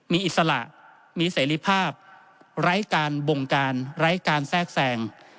มีอิสระมีเสรีภาพไร้การบงการไร้การแทรกแทรง